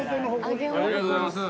ありがとうございます。